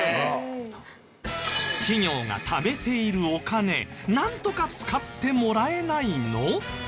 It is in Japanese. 企業が溜めているお金なんとか使ってもらえないの？